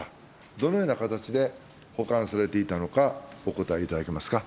どのような形で保管されていたのか、お答えいただけますか。